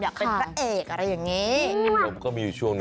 อยากเป็นพระเอกอะไรอย่างนี้